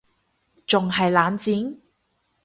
仲係冷戰????？